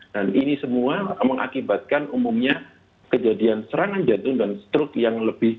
dan ini semua mengakibatkan umumnya kejadian serangan jantung dan strok yang lebih awal